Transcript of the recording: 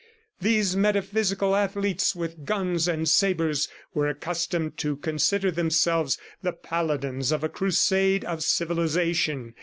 These metaphysical athletes with guns and sabres were accustomed to consider themselves the paladins of a crusade of civilization.